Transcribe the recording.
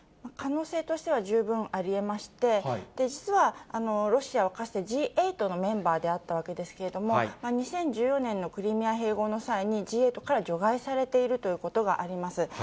可能性としては十分ありえまして、実は、ロシアはかつてＧ８のメンバーであったわけですけれども、２０１４年のクリミア併合の際に、Ｇ８から除外されているということがあります。